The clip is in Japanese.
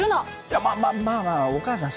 いやままあまあお母さん